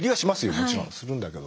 もちろんするんだけど。